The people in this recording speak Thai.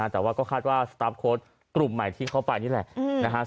แต่ว่าก็คาดว่าสตาร์ฟโค้ดกลุ่มใหม่ที่เขาไปนี่แหละนะฮะ